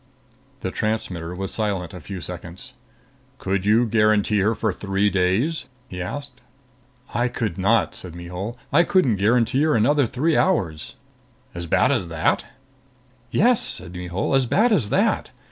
The transmitter was silent a few seconds. "Could you guarantee her for three days?" he asked. "I could not," said Mihul. "I couldn't guarantee her another three hours." "As bad as that?" "Yes," said Mihul. "As bad as that.